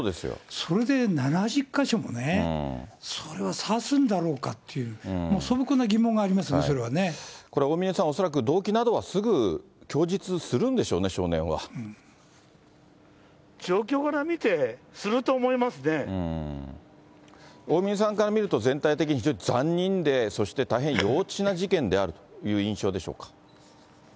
それで７０か所もね、それは刺すんだろうかっていう、素朴な疑問がありますよね、それ大峯さん、これ、恐らく、動機などはすぐ供述するんでしょうね、状況から見て、すると思いま大峯さんから見ると、全体的に非常に残忍で、そして大変幼稚な事件であるという印象でしょうか。